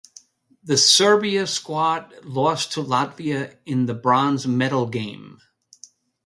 The Serbia squad lost to Latvia in the bronze medal game.